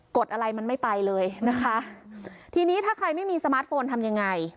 ดอะไรมันไม่ไปเลยนะคะทีนี้ถ้าใครไม่มีสมาร์ทโฟนทำยังไง